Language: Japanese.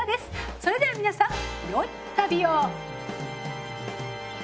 それでは皆さんよい旅を。